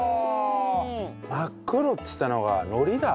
真っ黒っつってたのが海苔だ。